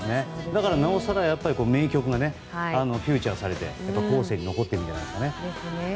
だからなおさら名曲がフィーチャーされて後世に残っていくんじゃないですかね。